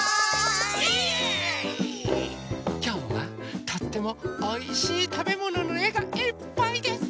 きょうはとってもおいしいたべもののえがいっぱいです！